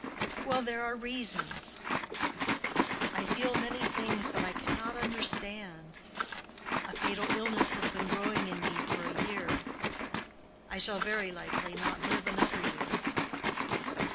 —Well, there are reasons. I feel many things that I cannot understand. A fatal illness has been growing in me for a year. I shall very likely not live another year.